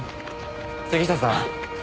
杉下さん